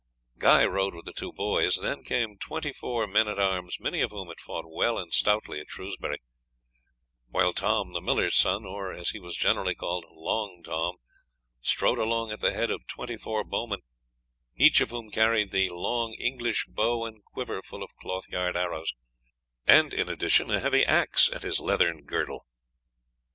Guy rode with the two boys; then came twenty four men at arms, many of whom had fought well and stoutly at Shrewsbury; while Tom, the miller's son, or, as he was generally called, Long Tom, strode along at the head of twenty four bowmen, each of whom carried the long English bow and quiver full of cloth yard arrows, and, in addition, a heavy axe at his leathern girdle.